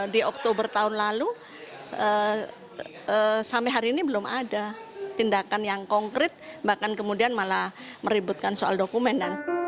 di oktober tahun lalu sampai hari ini belum ada tindakan yang konkret bahkan kemudian malah meributkan soal dokumen